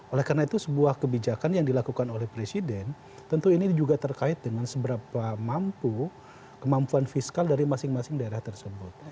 oleh karena itu sebuah kebijakan yang dilakukan oleh presiden tentu ini juga terkait dengan seberapa mampu kemampuan fiskal dari masing masing daerah tersebut